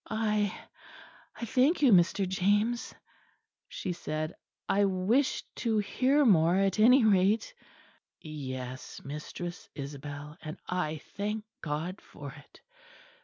"I I thank you, Mr. James," she said. "I wish to hear more at any rate." "Yes, Mistress Isabel; and I thank God for it.